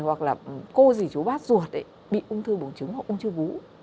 hoặc là cô gì chú bác ruột ấy bị ung thư bùng trứng hoặc ung thư vũ